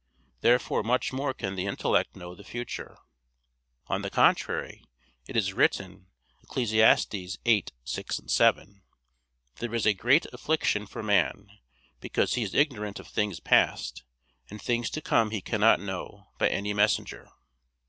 Therefore much more can the intellect know the future. On the contrary, It is written (Eccles. 8:6, 7), "There is a great affliction for man, because he is ignorant of things past; and things to come he cannot know by any messenger."